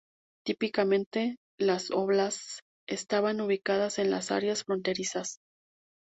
Típicamente, las óblasts estaban ubicadas en las áreas fronterizas.